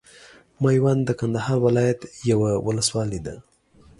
ميوند د کندهار ولايت یوه ولسوالۍ ده.